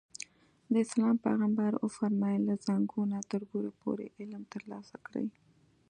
د اسلام پیغمبر وفرمایل له زانګو نه تر ګوره پورې علم ترلاسه کړئ.